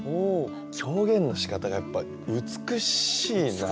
表現のしかたがやっぱ美しいなって。